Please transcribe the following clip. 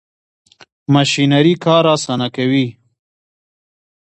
ماشینري کار اسانه کوي.